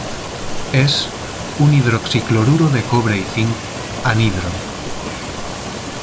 Es un hidroxi-cloruro de cobre y cinc, anhidro.